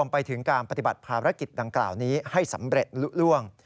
ปฏิบัติภาระกิจดังกล่าวนี้ให้สำเร็จลุกล่วง